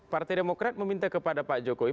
partai demokrat meminta kepada pak jokowi